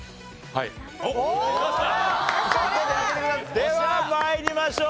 では参りましょう。